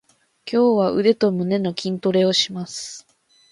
今日は腕と胸の筋トレをします。